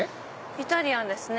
イタリアンですね